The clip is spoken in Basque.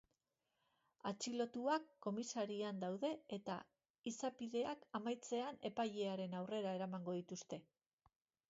Atxilotuak komisarian daude eta izapideak amaitzean epailearen aurrera eramango dituzte.